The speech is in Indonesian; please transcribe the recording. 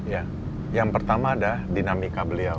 ya yang pertama ada dinamika beliau